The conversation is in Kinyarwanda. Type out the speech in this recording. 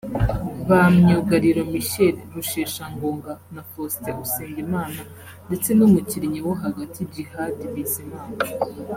ba myugariro Michel Rusheshangoga na Faustin Usengimana ndetse n’umukinnyi wo hagati Djihad Bizimana